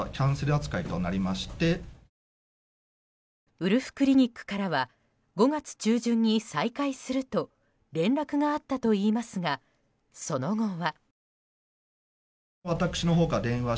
ウルフクリニックからは５月中旬に再開すると連絡があったといいますがその後は。